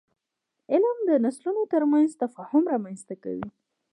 علم د نسلونو ترمنځ تفاهم رامنځته کوي.